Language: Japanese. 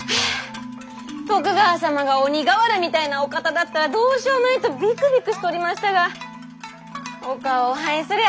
徳川様が鬼瓦みたいなお方だったらどうしよまいとビクビクしとりましたがお顔を拝すりゃ